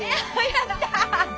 やった！